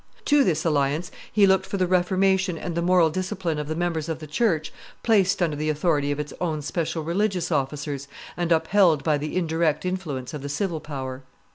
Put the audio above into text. To this alliance he looked for the reformation and moral discipline of the members of the church placed under the authority of its own special religious officers and upheld by the indirect influence of the civil power.